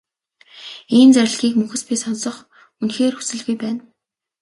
Ийм зарлигийг мөхөс би сонсох үнэхээр хүсэлгүй байна.